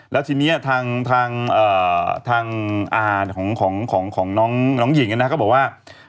แล้วทีนี้ทางอาของน้องหญิงก็บอกว่า